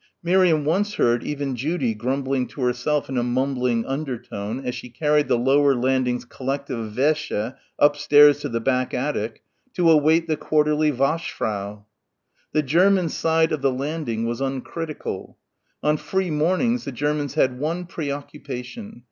Miriam once heard even Judy grumbling to herself in a mumbling undertone as she carried the lower landing's collective "wäsche" upstairs to the back attic to await the quarterly waschfrau. The German side of the landing was uncritical. On free mornings the Germans had one preoccupation.